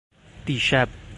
دیشب